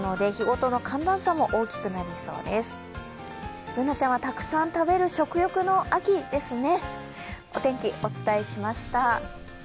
Ｂｏｏｎａちゃんはたくさん食べる食欲の秋ですね。